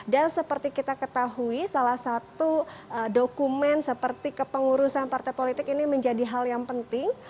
dan seperti kita ketahui salah satu dokumen seperti kepengurusan partai politik ini menjadi hal yang penting